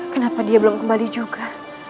kenapa dia belum kembali juga